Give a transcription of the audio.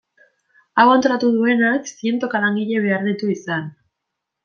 Hau antolatu duenak zientoka langile behar ditu izan.